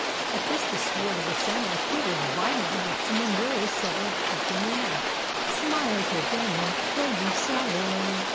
At this, the sword of the Samurai quivered violently, and then rose several feet into the air "Smiles will banish Bogey Sorrow."